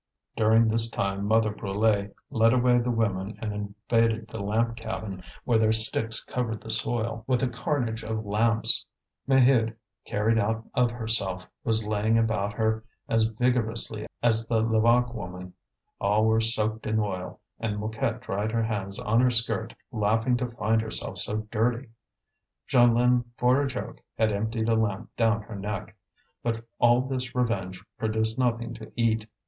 During this time Mother Brulé led away the women and invaded the lamp cabin, where their sticks covered the soil with a carnage of lamps. Maheude, carried out of herself, was laying about her as vigorously as the Levaque woman. All were soaked in oil, and Mouquette dried her hands on her skirt, laughing to find herself so dirty. Jeanlin for a joke, had emptied a lamp down her neck. But all this revenge produced nothing to eat.